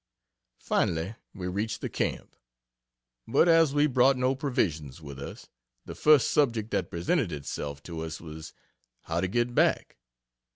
Finally, we reached the camp. But as we brought no provisions with us, the first subject that presented itself to us was, how to get back.